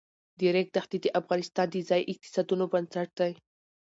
د ریګ دښتې د افغانستان د ځایي اقتصادونو بنسټ دی.